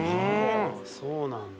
そうなんだ